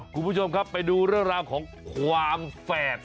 คุณผู้ชมครับไปดูเรื่องราวของความแฝด